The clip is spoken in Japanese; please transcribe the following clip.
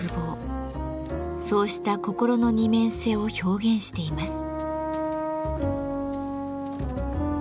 そうした心の二面性を表現しています。